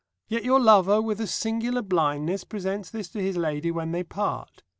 Yet your lover, with a singular blindness, presents this to his lady when they part.